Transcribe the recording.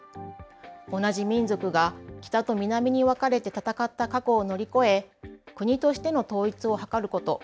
同じ民族が北と南に分かれて戦った過去を乗り越え、国としての統一を図ること、